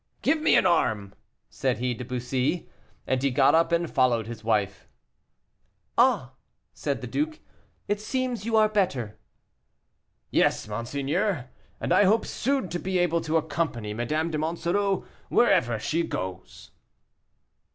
"Give me an arm," said he to Bussy, and he got up and followed his wife. "Ah!" said the duke, "it seems you are better." "Yes, monseigneur, and I hope soon to be able to accompany Madame de Monsoreau wherever she goes."